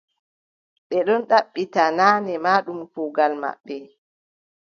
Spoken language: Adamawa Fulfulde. Ɓe ɗon ɗaɓɓita, naane ma ɗum kuugal maɓɓe.